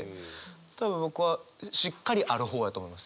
多分僕はしっかりある方やと思います。